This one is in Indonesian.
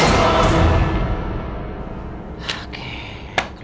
nah mega kekek